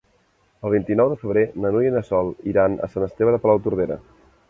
El vint-i-nou de febrer na Núria i na Sol iran a Sant Esteve de Palautordera.